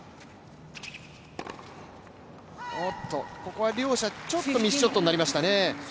ここは両者、ちょっとミスショットになりましたね。